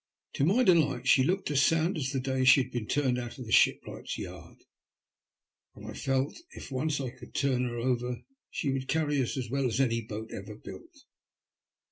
To my delight she looked as sound as the day she had been turned out of the shipwright's yard, and I felt if once I could turn her over she would carry us as well as any boat ever built.